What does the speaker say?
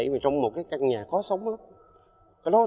mà trong một căn nhà khó sống lắm